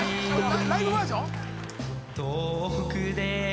ライブバージョン？